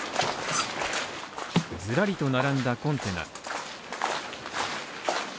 ずらりと並んだコンテナ